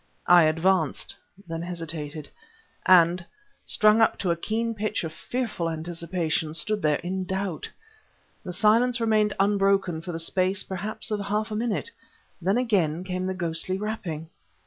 I advanced; then hesitated, and, strung up to a keen pitch of fearful anticipation, stood there in doubt. The silence remained unbroken for the space, perhaps of half a minute. Then again came the ghostly rapping.